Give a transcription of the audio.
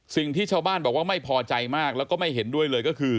สิ่งที่ชาวบ้านบอกว่าไม่พอใจมากแล้วก็ไม่เห็นด้วยเลยก็คือ